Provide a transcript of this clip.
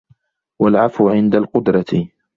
وَالْعَفْوُ عِنْدَ الْقُدْرَةِ